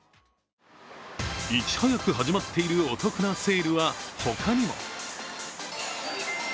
いち早く始まっているお得なセールは他にも。